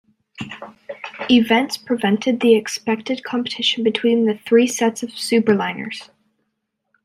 Events prevented the expected competition between the three sets of superliners.